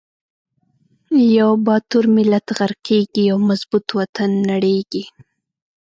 یو با تور ملت غر قیږی، یو مظبو ط وطن نړیزی